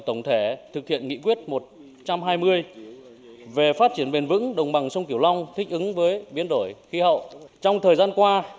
tổng thể thực hiện nghị quyết một trăm hai mươi về phát triển bền vững đồng bằng sông kiểu long thích ứng với biến đổi khí hậu